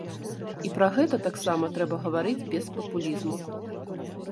І пра гэта таксама трэба гаварыць без папулізму.